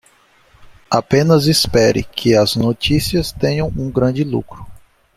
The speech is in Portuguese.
Apenas espere que as notícias tenham um grande lucro.